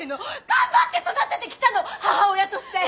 頑張って育ててきたの母親として！